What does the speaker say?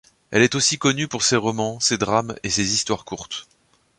Elle est aussi connue pour ses romans, ses drames, et ses histoires courtes.